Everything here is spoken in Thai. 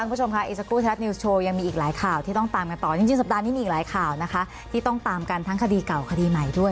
โปรดติดตามตอนต่อไป